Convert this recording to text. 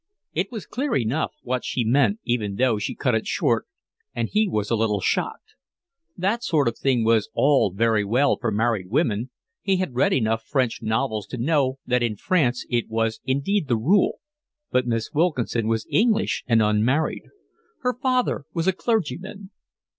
It was clear enough what she meant even though she cut it short, and he was a little shocked. That sort of thing was all very well for married women, he had read enough French novels to know that in France it was indeed the rule, but Miss Wilkinson was English and unmarried; her father was a clergyman.